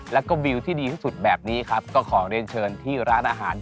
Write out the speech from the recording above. แล้วก็วิวที่ดีที่สุดแบบนี้ครับก็ขอเรียนเชิญที่ร้านอาหาร